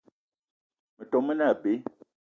Metom me ne abe.